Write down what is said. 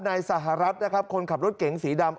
สหรัฐนะครับคนขับรถเก๋งสีดำ